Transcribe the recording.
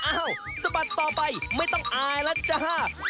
อ้าวสะบัดต่อไปไม่ต้องอายแล้วจ้า